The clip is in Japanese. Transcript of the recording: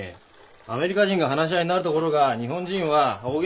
アメリカ人が話し合いになるところが日本人は大げんかになるの。